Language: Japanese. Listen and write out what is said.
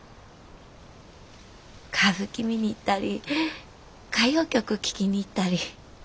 歌舞伎見に行ったり歌謡曲聴きに行ったり。